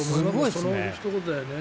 そのひと言だよね。